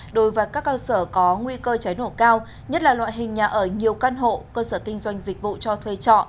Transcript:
đối với các cơ sở có nguy cơ cháy nổ cao nhất là loại hình nhà ở nhiều căn hộ cơ sở kinh doanh dịch vụ cho thuê trọ